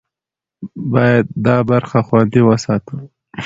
باید دا برخه خوندي وساتو.